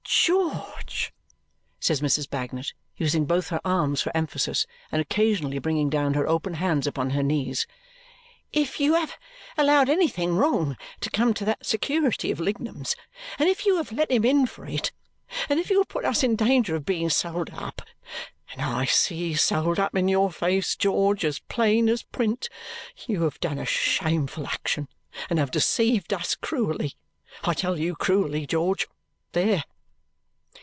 "George," says Mrs. Bagnet, using both her arms for emphasis and occasionally bringing down her open hands upon her knees. "If you have allowed anything wrong to come to that security of Lignum's, and if you have let him in for it, and if you have put us in danger of being sold up and I see sold up in your face, George, as plain as print you have done a shameful action and have deceived us cruelly. I tell you, cruelly, George. There!"